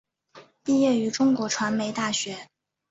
毕业于中国传媒大学。